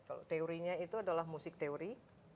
kalau teorinya itu adalah musik teori